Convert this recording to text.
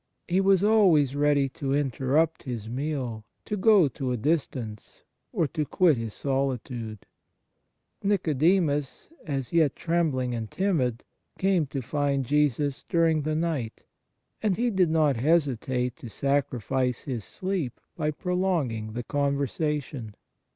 He was always ready to interrupt His meal, to go to a distance, or to quit His solitude. Nicodemus, as yet trembling and timid, came 44 The Charity of Jesus Christ to find Jesus during the night, and He did not hesitate to sacrifice His sleep by prolong ing the conversation.